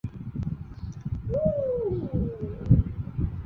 中华耳蕨为鳞毛蕨科耳蕨属下的一个种。